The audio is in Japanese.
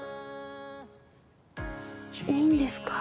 いいんですか？